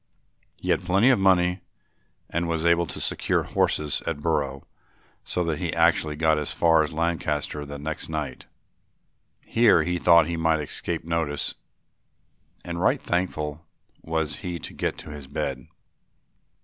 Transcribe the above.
He had plenty of money and was able to secure horses at Brough so that he actually got as far as Lancaster the next night. Here he thought he might escape notice and right thankful was he to get to his bed.